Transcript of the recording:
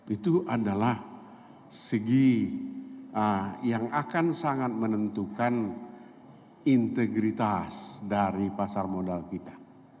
itu adalah segi yang akan sangat menentukan integritas dari pasar modal kita